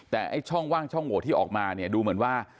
แต่ช่องว่างช่องโหวตที่ออกมาดูเหมือนว่า